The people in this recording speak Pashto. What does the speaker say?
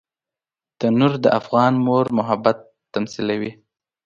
تنور د افغان مور محبت تمثیلوي